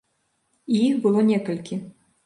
І іх было некалькі.